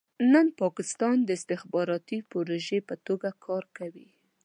نن پاکستان د استخباراتي پروژې په توګه کار کوي.